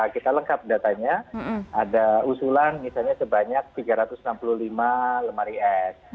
kita lengkap datanya ada usulan misalnya sebanyak tiga ratus enam puluh lima lemari es